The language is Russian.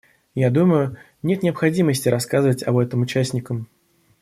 Я думаю, нет необходимости рассказывать об этом участникам.